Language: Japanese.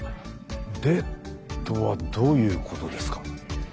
「で」とはどういうことですか？